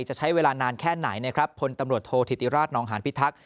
จะใช้เวลานานแค่ไหนพลโทษธิติราชน้องหารภิทักษ์